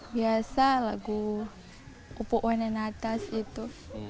biasa lagu upu uwene natas itu